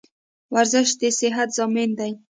ورزش د صحت ضامن دی